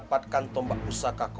sekarang selama berbinatang